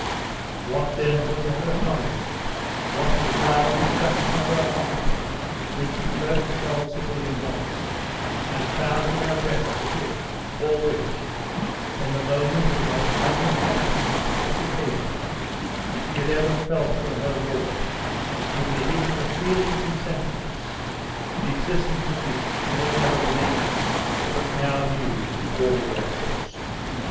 What then was her astonishment, what the wild distraction of her heart, when she first beheld Sir William Wallace, and found in her breast for him, all which, in the moment of the most unreflecting intoxication, she had ever felt for her lord, with the addition of feelings and sentiments, the existence of which she had never believed, but now knew in all their force!